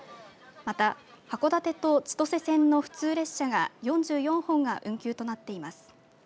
また函館と千歳線の普通列車が４４本が運休となっています。